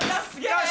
よし！